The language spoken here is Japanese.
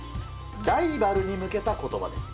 ライバルに向けたことばです。